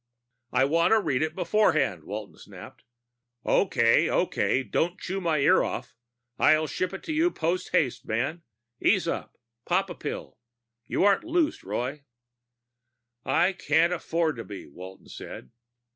"I want to read it beforehand!" Walton snapped. "Okay, okay. Don't chew my ears off. I'll ship it to you posthaste, man. Ease up. Pop a pill. You aren't loose, Roy." "I can't afford to be," Walton said.